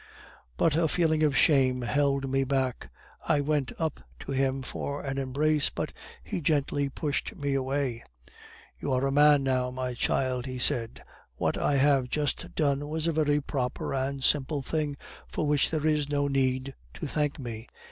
But a feeling of shame held me back. I went up to him for an embrace, but he gently pushed me away. "'You are a man now, my child,' he said. 'What I have just done was a very proper and simple thing, for which there is no need to thank me.